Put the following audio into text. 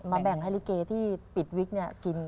มาแบ่งให้ริเกย์ที่ปิดวิกกินกัน